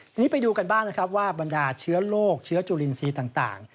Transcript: ทีนี้ไปดูกันบ้างนะครับว่าบรรดาเชื้อโรคเชื้อจุลินทรีย์ต่าง